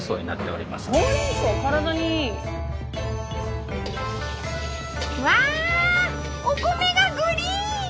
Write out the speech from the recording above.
お米がグリーン！